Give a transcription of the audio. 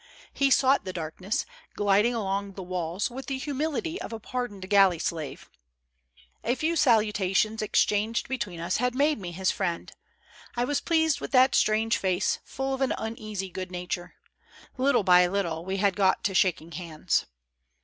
He sought the darkness, gliding along the walls with the humility of a pardoned galley slave. ( 306 ) MY NEIGHBOK JACQUES. 807 A few salutations exchanged between us had mad^ me his friend. I was pleased with that strange face, full of an uneasy good nature. Little by little, w'e had got to shaking hands.